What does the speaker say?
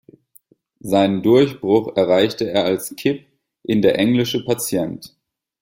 Seinen Durchbruch erreichte er als "Kip" in "Der englische Patient".